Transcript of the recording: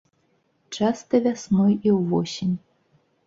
Часта вясной і ўвосень.